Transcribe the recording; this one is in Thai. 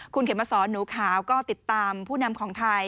คุณเขมสอนหนูขาวก็ติดตามผู้นำของไทย